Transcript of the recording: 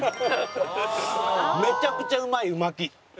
めちゃくちゃうまいう巻き。